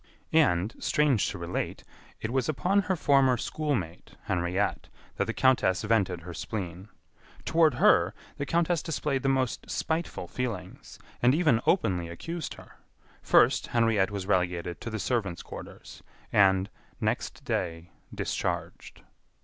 And, strange to relate, it was upon her former schoolmate, Henriette, that the countess vented her spleen. Toward her, the countess displayed the most spiteful feelings, and even openly accused her. First, Henriette was relegated to the servants' quarters, and, next day, discharged.